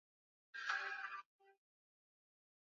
Mizigo mikubwa ya dhiki kama